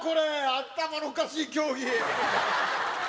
頭のおかしい競技！